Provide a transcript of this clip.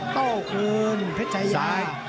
โต้คลืมเพชยาย่า